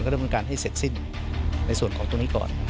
ดำเนินการให้เสร็จสิ้นในส่วนของตรงนี้ก่อน